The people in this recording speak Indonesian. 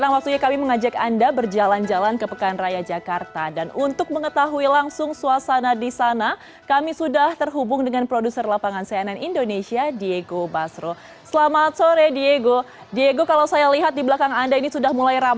pekan raya jakarta